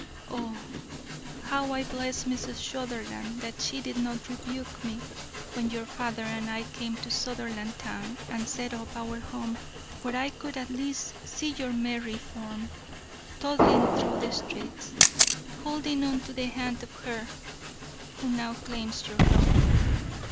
Oh, how I bless Mrs. Sutherland that she did not rebuke me when your father and I came to Sutherlandtown and set up our home where I could at least see your merry form toddling through the streets, holding on to the hand of her who now claims your love.